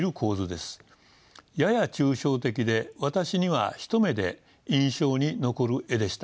やや抽象的で私には一目で印象に残る絵でした。